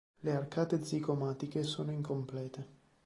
Le arcate zigomatiche sono incomplete.